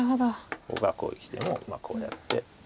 ここがこうきてもこうやって。